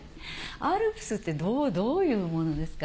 アルプスってどういうものですか？